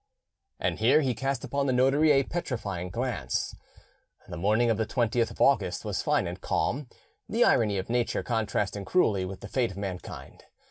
And here he cast upon the notary a petrifying glance. The morning of the 20th of August was fine and calm—the irony of nature contrasting cruelly with the fate of mankind.